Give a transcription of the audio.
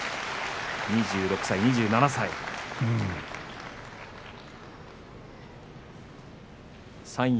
２６歳、２７歳です。